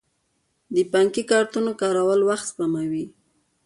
د بانکي کارتونو کارول وخت سپموي.